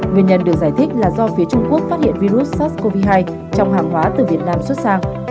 nguyên nhân được giải thích là do phía trung quốc phát hiện virus sars cov hai trong hàng hóa từ việt nam xuất sang